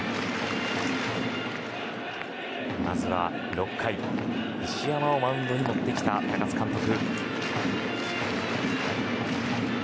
まずは６回、石山をマウンドに持ってきた高津監督。